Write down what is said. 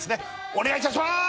お願いいたしまーす！